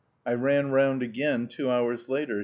I ran round again, two hours later.